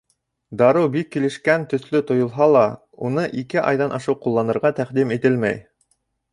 Дарыу бик килешкән төҫлө тойолһа ла, уны ике айҙан ашыу ҡулланырға тәҡдим ителмәй.